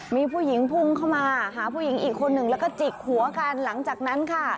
มีผู้หญิงพุ่งเข้ามาหาผู้หญิงอีกคนหนึ่งแล้วก็จิกหัวกันหลังจากนั้นค่ะ